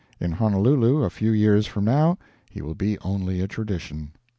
In Honolulu a few years from now he will be only a tradition.